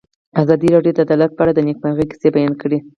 ازادي راډیو د عدالت په اړه د نېکمرغۍ کیسې بیان کړې.